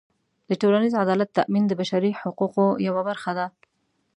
د ټولنیز عدالت تأمین د بشري حقونو یوه برخه ده.